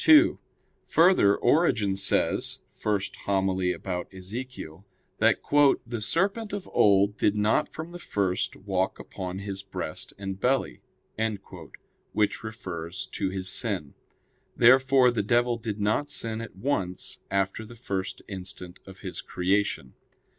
2: Further, Origen says (Hom. i in Ezech.) that "the serpent of old did not from the first walk upon his breast and belly"; which refers to his sin. Therefore the devil did not sin at once after the first instant of his creation.